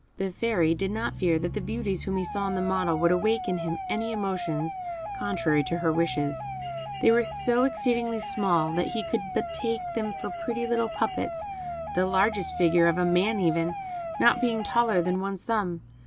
The Fairy did not fear that the beauties whom he saw in the model would awake in him any emotions contrary to her wishes; they were so exceedingly small, that he could but take them for pretty little puppets, the largest figure, of a man even, not being taller than one's thumb.